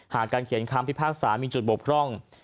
การเขียนคำพิพากษามีจุดบกพร่อง